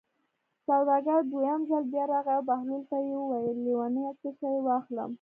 سوداګر دویم ځل بیا راغی او بهلول ته یې وویل: لېونیه څه شی واخلم.